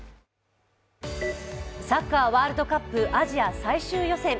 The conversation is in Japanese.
サッカー、ワールドカップ・アジア最終予選。